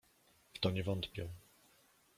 "W to nie wątpię."